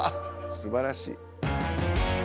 すばらしい。